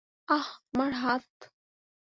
আহহ, আমার হাত।